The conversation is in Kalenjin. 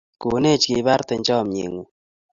Konech kibarte chamyeng'ung'